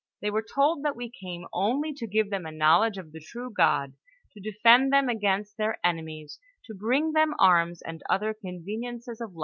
They were told, that we came only to give them a knowledge of the true God, to defend them against their enemies, to bring them arms and other conveniences of life.